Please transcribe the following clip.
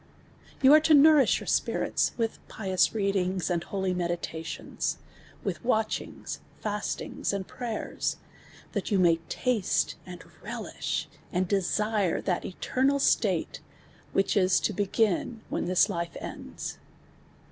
Vou are to nourish \our sj)iri(s with picnis read ini;s, and holy me(lila(ions, wi(h wa(chini;s, fas(ini;s, and prayers, (hat you may (asle. and relish, and de sire, (ha( e(ernal s(a(t«, wliich is (o l)ei; in when this life ends.